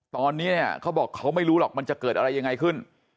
ตอนนี้เนี่ยเขาบอกเขาไม่รู้หรอกมันจะเกิดอะไรยังไงขึ้น